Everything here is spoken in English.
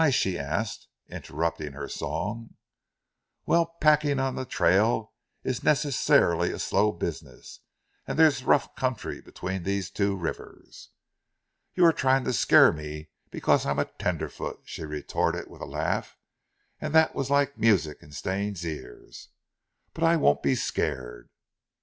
she asked interrupting her song. "Well packing on trail is necessarily a slow business; and there's rough country between these two rivers." "You are trying to scare me because I'm a tenderfoot," she retorted with a laugh that was like music in Stane's ears; "but I won't be scared."